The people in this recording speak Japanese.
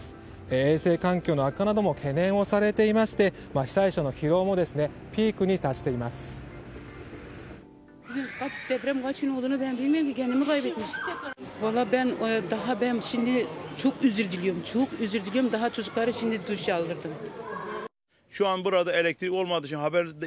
衛生環境の悪化なども懸念されていまして被災者の疲労もピークに達しています。